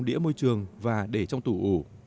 đĩa môi trường và để trong tủ ủ